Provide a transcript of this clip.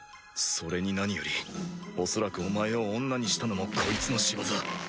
それに何よりおそらくお前を女にしたのもコイツの仕業。